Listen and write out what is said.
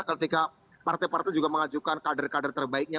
ketika partai partai juga mengajukan kader kader terbaiknya